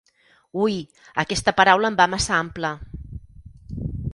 Ui, aquesta paraula em va massa ampla!